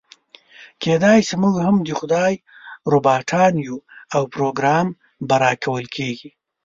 کيداشي موږ هم د خدای روباټان يو او پروګرام به راکول کېږي.